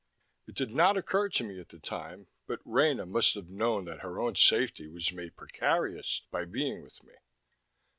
It did not occur to me at the time, but Rena must have known that her own safety was made precarious by being with me.